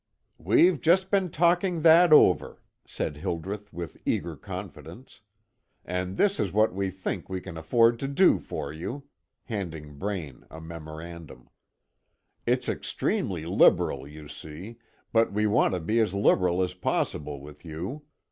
"We've just been talking that over," said Hildreth with eager confidence; "and this is what we think we can afford to do for you," handing Braine a memorandum. "It's extremely liberal, you see, but we want to be as liberal as possible with you.